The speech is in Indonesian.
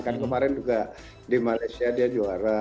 kan kemarin juga di malaysia dia juara